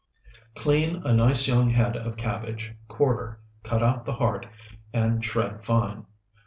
HOT SLAW Clean a nice young head of cabbage, quarter, cut out the heart, and shred fine.